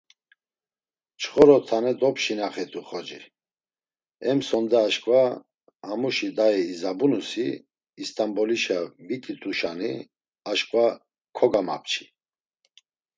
Nçxoro tane dopşinaxitu xoci; em sonde aşǩva, hamuşi dayi izabunusi, İst̆anbolişa vit̆it̆uşani aşǩva kogamapçi.